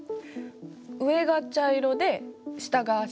上が茶色で下が白。